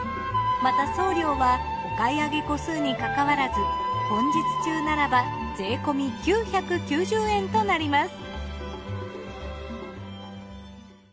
また送料はお買い上げ個数にかかわらず本日中ならば税込９９０円となります。